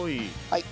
はい。